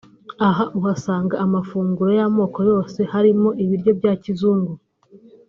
Aha uhasanga amafunguro y’amoko yose harimo ibiryo bya kizungu